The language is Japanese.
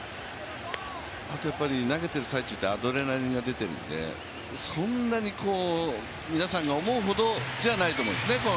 あと投げてる最中ってアドレナリンが出ているのでそんなに皆さんが思うほどじゃないと思うんですね。